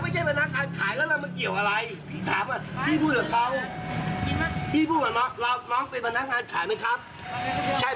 ไม่ใช่น้องใช่พนักงานขายหรือเปล่าครับ